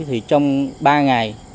thì trong ba ngày